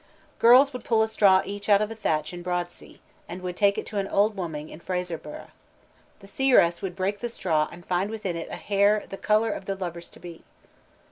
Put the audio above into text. Girls would pull a straw each out of a thatch in Broadsea, and would take it to an old woman in Fraserburgh. The seeress would break the straw and find within it a hair the color of the lover's to be.